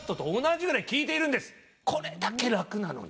これだけ楽なのに。